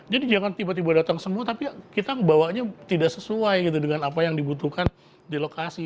jadi jangan tiba tiba datang semua tapi kita bawanya tidak sesuai dengan apa yang dibutuhkan di lokasi